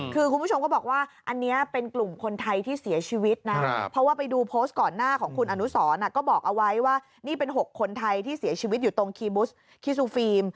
คือคุณผู้ชมก็บอกว่าอันนี้เป็นกลุ่มคนไทยที่เสียชีวิตนะเพราะว่าไปดูโพสต์ก่อนหน้าของคุณอนุสรก็บอกเอาไว้ว่านี่เป็น๖คนไทยที่เสียชีวิตอยู่ตรงคีย์บุสคิซูฟิล์ม